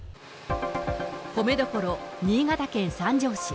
米どころ、新潟県三条市。